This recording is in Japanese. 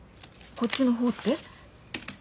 こっちの方って？